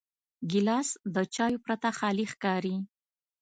ګیلاس د چایو پرته خالي ښکاري.